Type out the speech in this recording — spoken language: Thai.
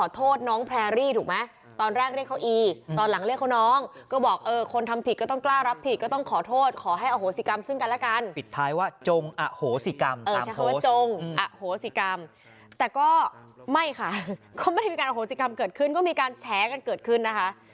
แต่ก็ไม่ค่ะก็ไม่มีการโอโหสิกรรมเกิดขึ้นก็มีการแฉกันเกิดขึ้นนะคะ